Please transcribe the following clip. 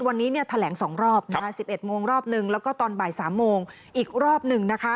วันนี้แถลง๒รอบ๑๑โมงรอบหนึ่งแล้วก็ตอนบ่าย๓โมงอีกรอบหนึ่ง